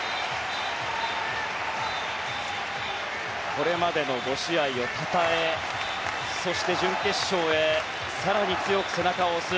これまでの５試合をたたえそして準決勝へ更に強く背中を押す。